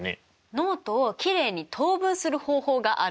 ノートをきれいに等分する方法があるんですよ。